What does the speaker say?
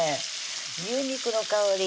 牛肉の香り